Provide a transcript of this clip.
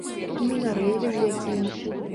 Не на рэйве ж якім.